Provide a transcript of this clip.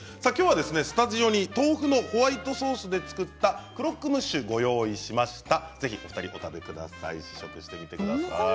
スタジオに豆腐のホワイトソースで作ったクロックムッシュをご用意しました。